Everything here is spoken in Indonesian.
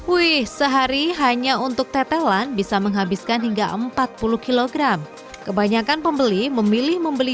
wih sehari hanya untuk tetelan bisa menghabiskan hingga empat puluh kg kebanyakan pembeli memilih membeli